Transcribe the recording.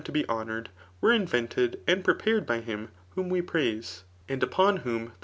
to be honoured, were invented and prepared^ by httu [wb(»n we pxatse y\ and upon whom the.